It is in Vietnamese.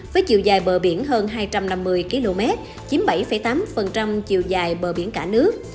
với chiều dài bờ biển hơn hai trăm năm mươi km chiếm bảy tám chiều dài bờ biển cả nước